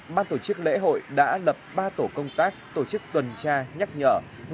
ban tổ chức lễ hội đã lập ba tổ công tác tổ chức tuần tra nhắc nhở